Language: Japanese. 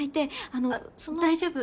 あっ大丈夫。